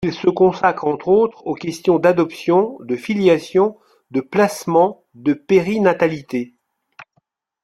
Il se consacre entre autres aux questions d'adoption, de filiation, de placement, de périnatalité.